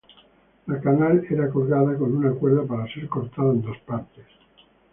La canal era colgada con una cuerda para ser cortada en dos partes.